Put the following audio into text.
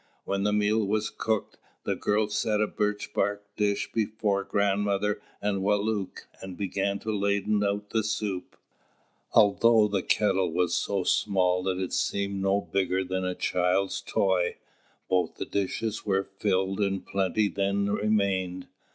When the meal was cooked, the girl set a birch bark dish before grandmother and Wālūt, and began to ladle out the soup. Although the kettle was so small that it seemed no bigger than a child's toy, both the dishes were filled and plenty then remained.